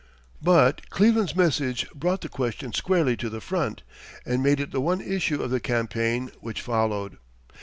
But Cleveland's message brought the question squarely to the front, and made it the one issue of the campaign which followed.